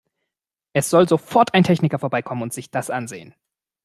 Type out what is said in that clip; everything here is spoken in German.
Es soll sofort ein Techniker vorbeikommen und sich das ansehen!